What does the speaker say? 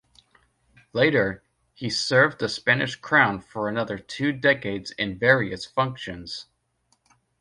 Later, he served the Spanish crown for another two decades in various functions.